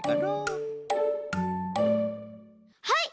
はい！